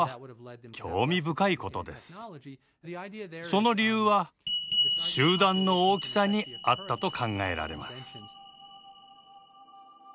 その理由は集団の大きさにあったと考えられます。